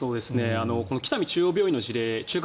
北見中央病院の事例中核